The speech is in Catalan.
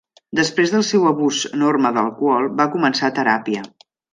Després del seu abús enorme d'alcohol va començar teràpia.